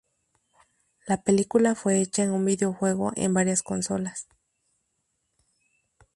La película fue hecha en un videojuego en varias consolas.